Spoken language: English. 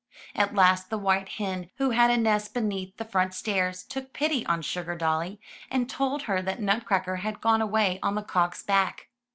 At last the white hen, who had a nest beneath the front stairs, took pity on Sugardolly, and told her that Nutcracker had gone away on the cock's back.